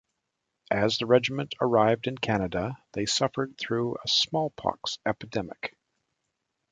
As the regiment arrived in Canada they suffered through a smallpox epidemic.